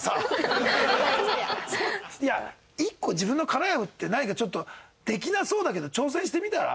いや１個自分の殻破って何かちょっとできなそうだけど挑戦してみたら？